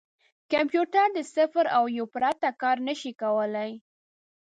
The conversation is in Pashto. کمپیوټر د صفر او یو پرته کار نه شي کولای.